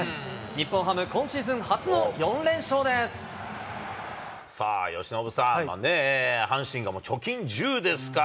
日本ハム、今シーズン初の４由伸さん、阪神が貯金１０ですか。